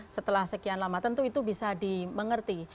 setelah sekian lama tentu itu bisa dimengerti